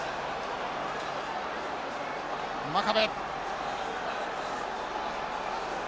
真壁。